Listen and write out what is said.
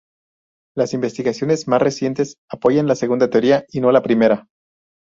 Las investigaciones más recientes apoyan la segunda teoría, y no la primera.